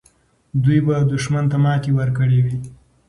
دوی به دښمن ته ماتې ورکړې وي.